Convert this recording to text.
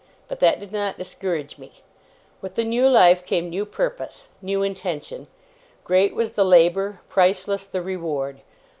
But that did not discourage me. With the new life, came new purpose, new intention. Great was the labour; priceless the reward.